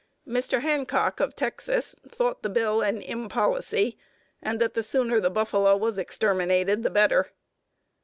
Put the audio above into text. Mr. Hancock, of Texas, thought the bill an impolicy, and that the sooner the buffalo was exterminated the better.